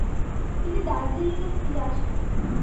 তিনি দার্জিলিংয়ে ফিরে আসেন।